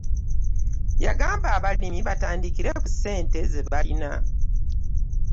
Yagamba abalimi batandikire ku ssente zebalina.